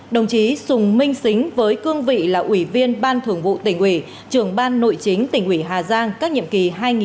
hai đồng chí sùng minh xính với cương vị là ủy viên ban thưởng vụ tỉnh ủy trưởng ban nội chính tỉnh ủy hà giang các nhiệm kỳ hai nghìn một mươi năm hai nghìn hai mươi hai nghìn hai mươi hai nghìn hai mươi năm